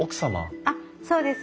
あっそうです。